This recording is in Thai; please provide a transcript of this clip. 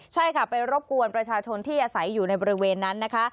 ใช่ค่ะไปรบกวนประชาชนที่อาศัยอยู่ในบริเวณนั้นนะคะ